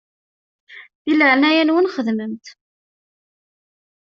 Di leɛnaya-nwen xedmem-t.